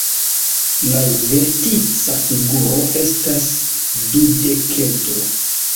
La vertica figuro estas dudekedro.